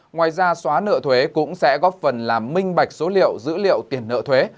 ngoài ra xóa nợ thuế cũng sẽ góp phần làm minh bạch số liệu dữ liệu tiền nợ thuế